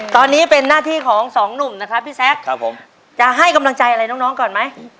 ตอนนี้เป็นหน้าที่ของสองหนุ่มนะครับพี่แซคครับผมจะให้กำลังใจอะไรน้องน้องก่อนไหม